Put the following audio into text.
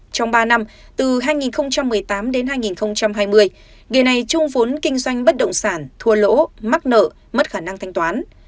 trong ba năm từ hai nghìn một mươi tám đến hai nghìn hai mươi người này chung vốn kinh doanh bất động sản thua lỗ mắc nợ mất khả năng thanh toán